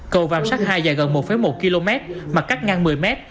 cầu vạm sát hai dài gần một một km mà cắt ngang một mươi m